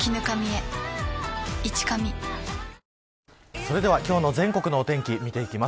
それでは今日の全国の天気見ていきます。